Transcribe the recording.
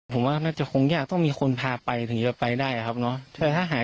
ผมว่าน่าจะคงยากต้องมีคนพาไปถึงจะไปได้อะครับเนาะ